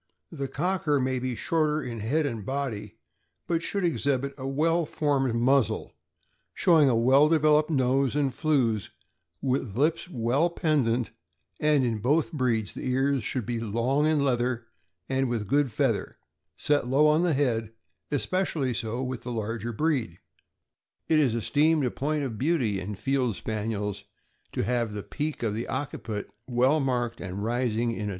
The Cocker may be shorter in head and body, but should exhibit a well formed muzzle, showing a well developed nose and flews, with lips well pendent; and in both breeds the ears should be long in leather, and with good feather, set low on head, especially so with the larger breed. It is esteemed a point of beauty in Field Spaniels to have the peak of the occiput well marked and rising in a THE FIELD SPANIEL.